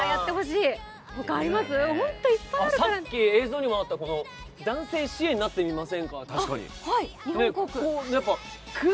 さっき、映像にもあった男性ＣＡになってみませんかって。